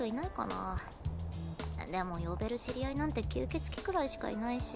でも呼べる知り合いなんて吸血鬼くらいしかいないし。